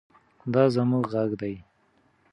دا زموږ غږ دی.